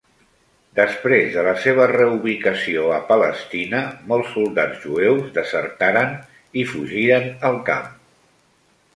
Després de la seva reubicació a Palestina, molts soldats jueus desertaren i fugiren al camp.